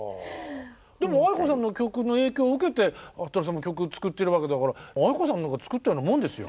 でもａｉｋｏさんの曲の影響を受けてはっとりさんも曲作ってるわけだからａｉｋｏさんが作ったようなもんですよ。